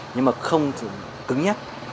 nhưng mà không cứng nhất